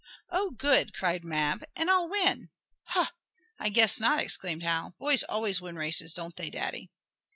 "Oh, good!" cried Mab. "And I'll win!" "Huh! I guess not!" exclaimed Hal. "Boys always win races; don't they, Daddy."